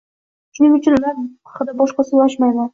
shuning uchun ular haqida boshqa soʻz ochmayman.